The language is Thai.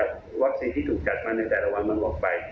มันก็มีโอกาสที่จะวัคซีนที่ถูกจัดมาในแต่ละวันมันหวังไป